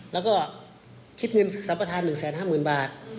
แล้วก็คิดเงินสรรพทาน๑๕๐๐๐บาท